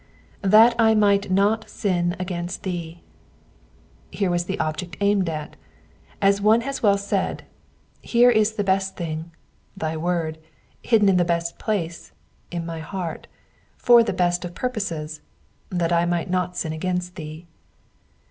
^^That I might not sin against thee,'*'* Here was the object aimed at. As one has well said, — Here is the best thing —'* thy word "; hidden in the best place, —in my heart ;" for the best of purposes, —'* that I might not sin against thee."